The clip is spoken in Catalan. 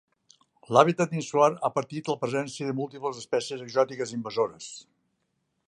L'hàbitat insular ha patit la presència de múltiples espècies exòtiques invasores.